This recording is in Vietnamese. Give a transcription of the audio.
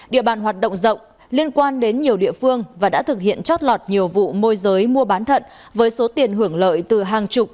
địa bàn hoạt động rộng liên quan đến nhiều địa phương và đã thực hiện chót lọt nhiều vụ môi giới mua bán thận với số tiền hưởng lợi từ hàng chục